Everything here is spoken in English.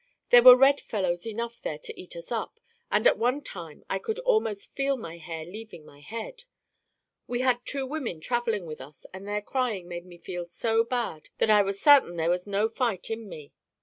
There were red fellows enough there to eat us up, and at one time I could almost feel my hair leaving my head. We had two women traveling with us and their crying made me feel so bad that I was sartin there was no fight in me.